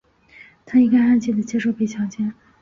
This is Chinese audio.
她应该安静地接受被强奸。